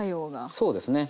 そうですね。